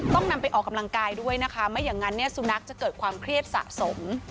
ต้องนำไปออกกำลังกายด้วยนะคะไม่อย่างนั้นเนี่ยสุนัขจะเกิดความเครียดสะสม